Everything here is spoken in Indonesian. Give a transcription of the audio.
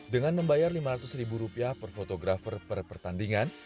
dengan membayar lima ratus ribu rupiah per fotografer per pertandingan